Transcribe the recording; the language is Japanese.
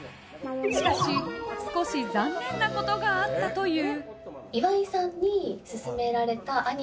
しかし少し残念なことがあったという。